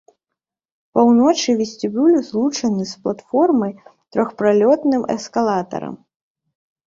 Паўночны вестыбюль злучаны з платформай трохпралётным эскалатарам.